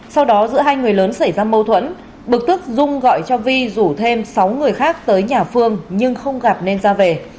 sau đó giữa hai người lớn xảy ra mâu thuẫn bực tức dung gọi cho vi rủ thêm sáu người khác tới nhà phương nhưng không gặp nên ra về